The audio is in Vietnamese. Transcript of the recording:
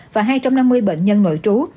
và hai trăm năm mươi bệnh nhân nội trú